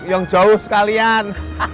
yang jauh sekalian